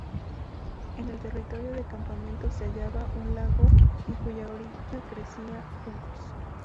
En el territorio del campamento se hallaba un lago en cuya orilla crecían juncos.